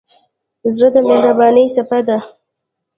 زړه د مهربانۍ څپه ده.